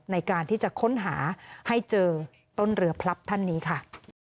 ในการที่จะค้นหาให้เจอต้นเรือพลับท่านนี้ค่ะ